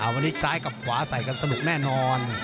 วันนี้ซ้ายกับขวาใส่กันสนุกแน่นอน